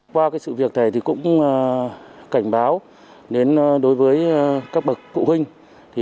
qua sự việc này cũng cảnh báo đến đối với các bậc cụ huynh